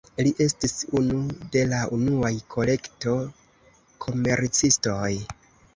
Li estis unu de la unuaj kolekto-komercistoj.